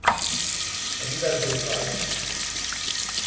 Alí vén teu pai